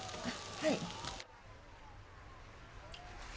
はい。